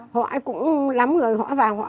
họ cũng lắm người họ vào